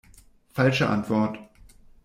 Falsche Antwort.